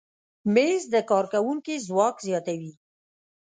مېز د کارکوونکي ځواک زیاتوي.